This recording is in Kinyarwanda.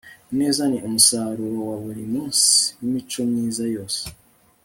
ineza ni umusaruro wa buri munsi w'imico myiza yose